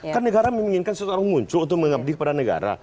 kan negara menginginkan seseorang muncul untuk mengabdi kepada negara